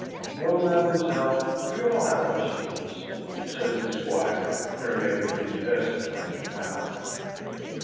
No, mademoiselle, we all have our secrets" (says the Squire, here making his best French bow).